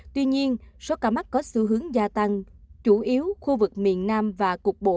tuy nhiên số ca mắc có xu hướng gia tăng chủ yếu khu vực miền nam và cục bộ